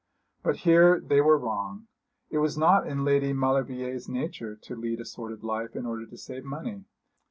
But here they were wrong. It was not in Lady Maulevrier's nature to lead a sordid life in order to save money.